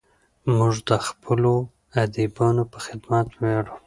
موږ د خپلو ادیبانو په خدمت ویاړو.